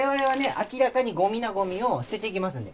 明らかにゴミなゴミを捨てていきますんで。